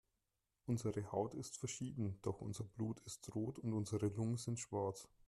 Unsere Haut ist verschieden, doch unser Blut ist rot und unsere Lungen sind schwarz.